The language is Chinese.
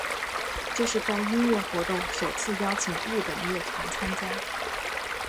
这是该音乐活动首次邀请日本乐团参加。